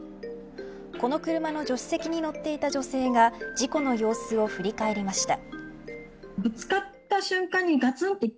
この車の助手席に乗っていた女性が事故の様子を振り返りました。